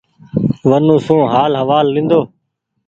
ونو سون هآل هوآل لينۮو ۔